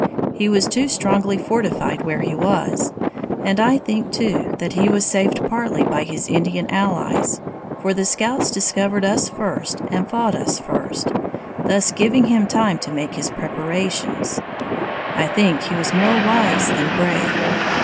He was too strongly fortified where he was, and I think, too, that he was saved partly by his Indian allies, for the scouts discovered us first and fought us first, thus giving him time to make his preparations. I think he was more wise than brave!